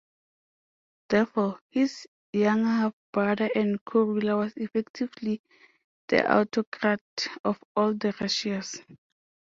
Therefore, his younger half-brother and co-ruler was effectively the autocrat of all the Russias.